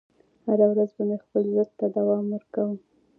هره ورځ به مې خپل ضد ته دوام ورکاوه